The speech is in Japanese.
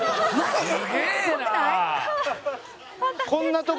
「すげえな！」